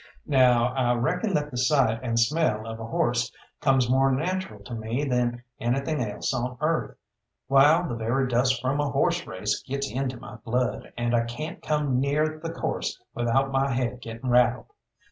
Now I reckon that the sight and smell of a horse comes more natural to me than anything else on earth, while the very dust from a horse race gets into my blood, and I can't come near the course without my head getting rattled.